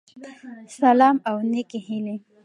سلام او نيکي هیلی